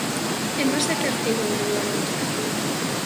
¿En base a que artigo do Regulamento?